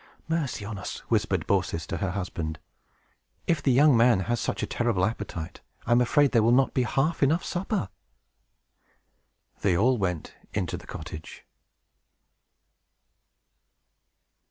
"Mercy on us!" whispered Baucis to her husband. "If the young man has such a terrible appetite, I am afraid there will not be half enough supper!" They all went into the cottage.